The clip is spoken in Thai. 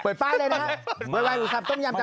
เปิดป้ายเลยนะ